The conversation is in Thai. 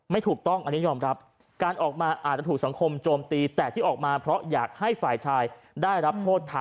ไม่ถูกต้องอันนี้ยอมรับ